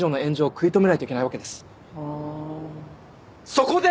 そこで！